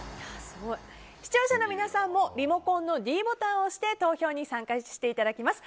視聴者の皆さんもリモコンのｄボタンを押して投票に参加していただきます。